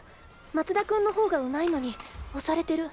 松田君のほうがうまいのに押されてる。